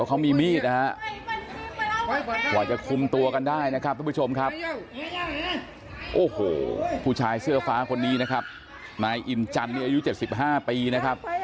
โอ้โหผู้ชายเสื้อฟ้าคนนี้นะครับนายอินจันทร์นี้อายุ๗๕ปีนะครับ